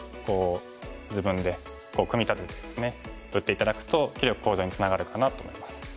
自分で組み立ててですね打って頂くと棋力向上につながるかなと思います。